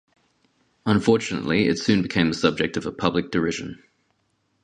Unfortunately, it soon became the subject of a public derision.